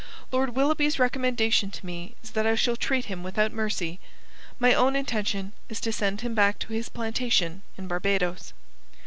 Lord Willoughby's recommendation to me is that I shall treat him without mercy. My own intention is to send him back to his plantation in Barbados."